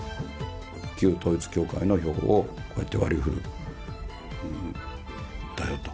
旧統一教会の票をこうやって割りふるんだよと。